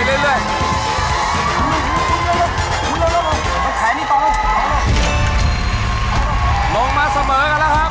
ลงมาเสมอกันแล้วครับ